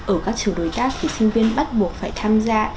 ở các trường đối tác thì sinh viên bắt buộc phải tham gia